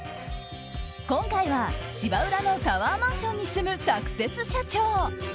今回は芝浦のタワーマンションに住むサクセス社長。